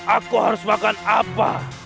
aku harus makan apa